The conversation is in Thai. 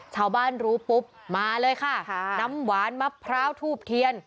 ชาวบ้านรู้ปุ๊บมาเลยค่ะน้ำหวานมะพร้าวทูบเทียน